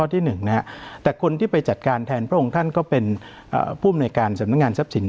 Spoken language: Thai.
แต่คนที่ไปจัดการแทนพระองค์ท่านก็เป็นผู้มนุยการสำนักงานทรัพย์สินธรรม